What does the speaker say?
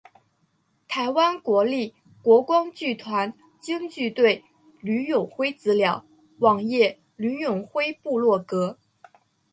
台湾国立国光剧团京剧队吕永辉资料网页吕永辉部落格